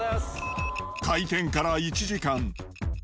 開店から１時間。